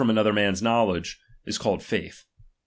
xvui another man's knowledge, is called J'uith.